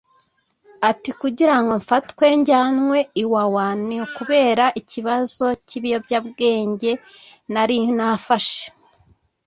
Ati ”Kugira ngo mfatwe njyanywe Iwawa ni ukubera ikibazo cy’ibiyobyabwenge nari nafashe